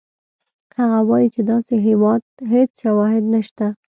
هغه وایي چې داسې هېڅ شواهد نشته.